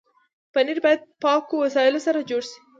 پنېر باید پاکو وسایلو سره جوړ شي.